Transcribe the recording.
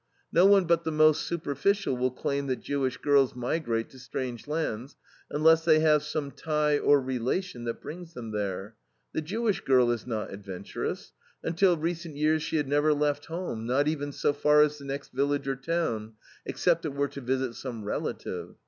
No one but the most superficial will claim that Jewish girls migrate to strange lands, unless they have some tie or relation that brings them there. The Jewish girl is not adventurous. Until recent years she had never left home, not even so far as the next village or town, except it were to visit some relative.